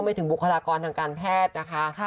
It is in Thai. ร่วมไปถึงบุคลากรทางการแพทย์นะคะค่ะ